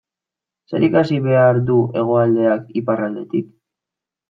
Zer ikasi behar du Hegoaldeak Iparraldetik?